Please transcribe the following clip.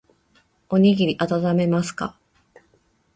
おにぎりあたためますか。